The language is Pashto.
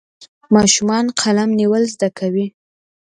ماشومان قلم نیول زده کوي.